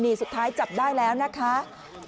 นี่สุดท้ายจับได้แล้วนะคะ